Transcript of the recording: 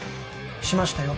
しましたよ